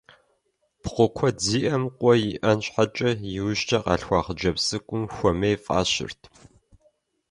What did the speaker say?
Пхъу куэд зиӀэм, къуэ иӀэн щхьэкӀэ, иужькӀэ къалъхуа хъыджэбз цӀыкӀум «Хуэмей» фӀащырт.